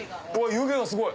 湯気がすごい！